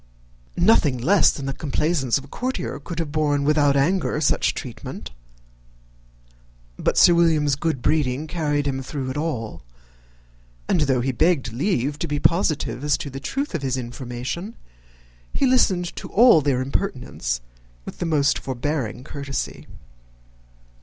Nothing less than the complaisance of a courtier could have borne without anger such treatment: but Sir William's good breeding carried him through it all; and though he begged leave to be positive as to the truth of his information, he listened to all their impertinence with the most forbearing courtesy.